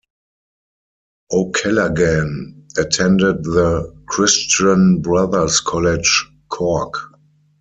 O'Callaghan attended the Christian Brothers College, Cork.